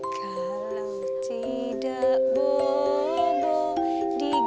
ketika kita berdua berdua